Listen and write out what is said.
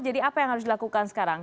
jadi apa yang harus dilakukan sekarang